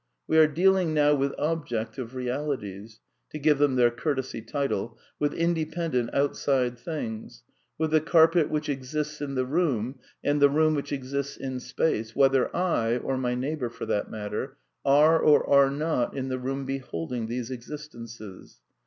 We are deal ing now with objective realities — to give them their cour tesy title — with independent, outside things; with the carpet which exists in the room, and the room which exists in space, whether I (or my neighbour for that matter) are or are not in the room beholding these existences.